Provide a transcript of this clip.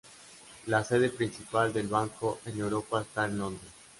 La sede principal del banco en Europa está Londres.